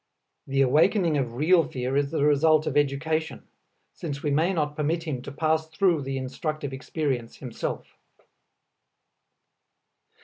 The awakening of real fear is the result of education, since we may not permit him to pass through the instructive experience himself.